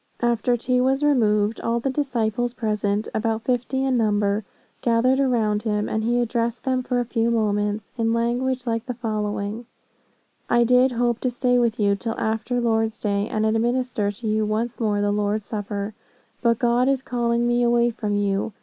"After tea was removed, all the disciples present, about fifty in number, gathered around him, and he addressed them for a few moments in language like the following: 'I did hope to stay with you till after Lord's day, and administer to you once more the Lord's Supper. But God is calling me away from you.